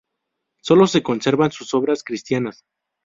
Solo se conservan sus obras cristianas.